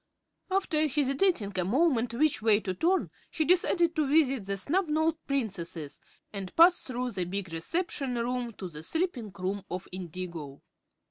After hesitating a moment which way to turn she decided to visit the Snubnosed Princesses and passed through the big reception room to the sleeping room of Indigo.